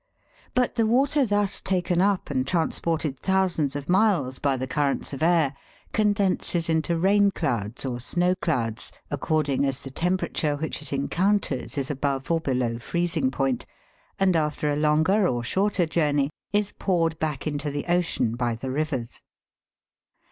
But the water thus taken up and trans ported thousands of miles by the currents of the air con denses into rain clouds or snow clouds, according as the tem perature which it encounters is above or below freezing point, and after a longer or shorter journey, is poured back into the ocean by the rivers.